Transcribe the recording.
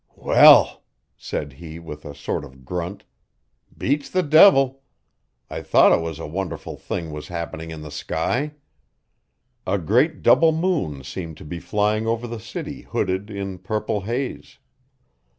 'Well!' said he with a sort of grunt. 'Beats the devil! I thought it was. A wonderful thing was happening in the sky. A great double moon seemed to be flying over the city hooded in purple haze.